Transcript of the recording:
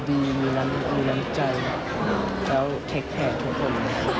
ดีพี่นุ่มจะใจดีมีรันใจและเข้าแขกทุกคน